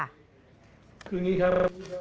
คืออย่างนี้ครับ